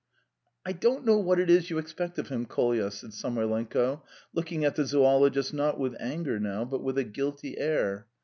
"I don't know what it is you expect of him, Kolya," said Samoylenko, looking at the zoologist, not with anger now, but with a guilty air.